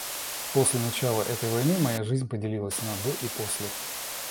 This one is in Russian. После начала этой войны моя жизнь поделилась на до и после.